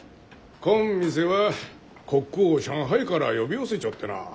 こん店はコックを上海から呼び寄せちょってな。